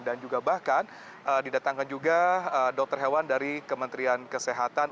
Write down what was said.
dan juga bahkan didatangkan juga dokter hewan dari kementerian kesehatan